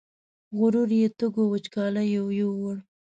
غرور یې تږو وچکالیو یووړ